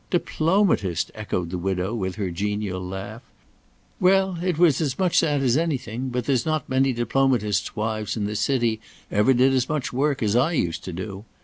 "Diplomatist!" echoed the widow with her genial laugh; "Well! it was as much that as anything, but there's not many diplomatists' wives in this city ever did as much work as I used to do.